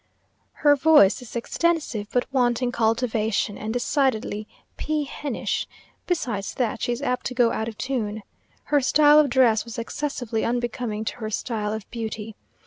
Her voice is extensive, but wanting cultivation, and decidedly pea hennish; besides that, she is apt to go out of tune. Her style of dress was excessively unbecoming to her style of beauty.